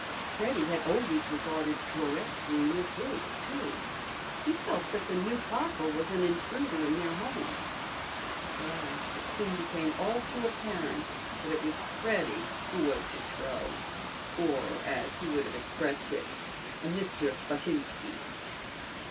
Freddy had always regarded Florette's room as his, too. He felt that the new papa was an intruder in their home. Alas! It soon became all too apparent that it was Freddy who was de trop, or, as he would have expressed it, a Mister Buttinski.